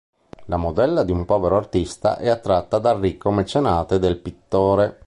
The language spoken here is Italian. La modella di un povero artista è attratta dal ricco mecenate del pittore.